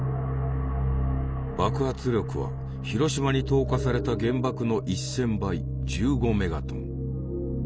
爆発力は広島に投下された原爆の１，０００倍１５メガトン。